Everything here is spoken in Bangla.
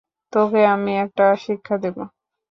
তোকে আমি একটা শিক্ষা দেব।